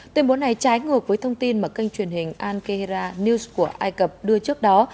tuyên bố này trái ngược với thông tin mà kênh truyền hình al qahera news của ai cập đưa trước đó